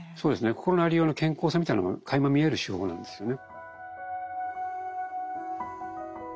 心のありようの健康性みたいのがかいま見える手法なんですよね。